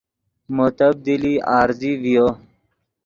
مو تبدیلی عارضی ڤیو